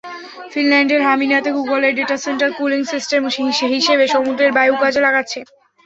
ফিনল্যান্ডের হামিনাতে গুগলের data centre cooling system হিসেবে সমুদ্রের বায়ু কাজে লাগাচ্ছে।